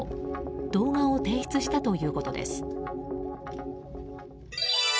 動画を提出したということです。